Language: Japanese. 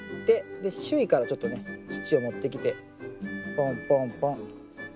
で周囲からちょっとね土を持ってきてポンポンポン。